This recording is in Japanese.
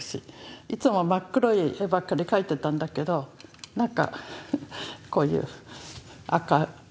いつも真っ黒い絵ばっかり描いてたんだけどなんかこういう赤。